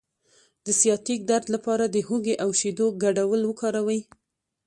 د سیاتیک درد لپاره د هوږې او شیدو ګډول وکاروئ